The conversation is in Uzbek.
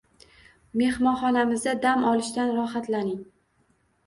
Mehmonxonamizda dam olishdan rohatlaning.